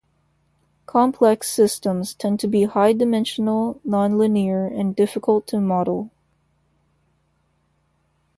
Complex systems tend to be high-dimensional, non-linear, and difficult to model.